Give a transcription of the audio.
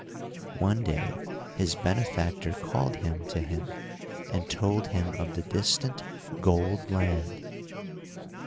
One day his benefactor called him to him, and told him of the distant gold land.